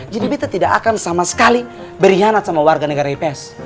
jadi beta tidak akan sama sekali beri hanat sama warga negara ips